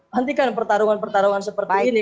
nantikan pertarungan pertarungan seperti ini